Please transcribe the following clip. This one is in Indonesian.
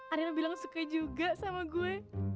ariel bilang suka juga sama gue